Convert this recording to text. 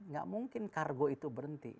gak mungkin kargo itu berhenti